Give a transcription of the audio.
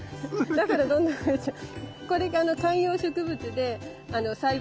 だからどんどん増えちゃう。